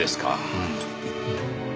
うん。